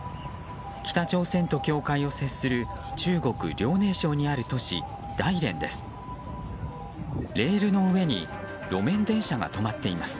北朝鮮と境界を接する中国・遼寧省にある都市大連です。